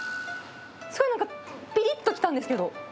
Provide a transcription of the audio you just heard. すごいなんか、ぴりっときたんですけど。